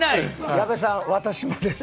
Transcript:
矢部さん、私もです。